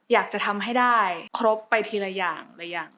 อยากจะทำให้ได้ครบไปทีละอย่าง